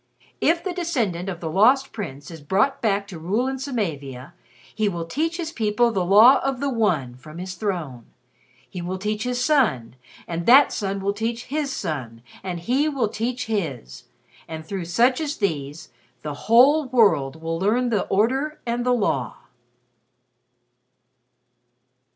'If the descendant of the Lost Prince is brought back to rule in Samavia, he will teach his people the Law of the One, from his throne. He will teach his son, and that son will teach his son, and he will teach his. And through such as these, the whole world will learn the Order and the Law.'"